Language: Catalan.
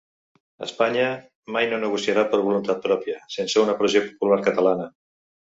Espanya mai no negociarà per voluntat pròpia, sense una pressió popular catalana.